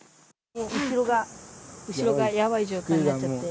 後ろがやばい状態になっちゃって。